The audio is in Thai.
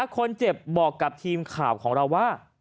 คนเจ็บบอกกับทีมข่าวของเราว่า